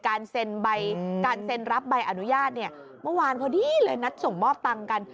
การเซ็นรับใบอนุญาตเนี่ยเมื่อวานพอดีเลยนัดส่งมอบตังค์กัน